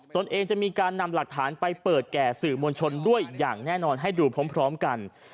ตนเองจะมีการนำหลักฐานไปเปิดแก่สื่อมวลชนด้วยอย่างแน่นอนให้ดูพร้อมกัน